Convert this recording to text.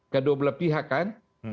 kedua belah pihak kan